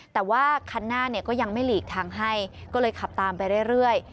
แต่ว่าคันหน้าเนี่ยก็ยังไม่หลีกทางให้ก็เลยขับตามไปเรื่อย